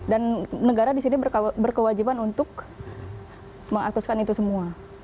dan negara disini berkewajiban untuk mengaktuskan itu semua